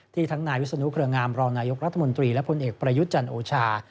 ทั้งนายวิศนุเครืองามรองนายกรัฐมนตรีและพลเอกประยุทธ์จันทร์โอชา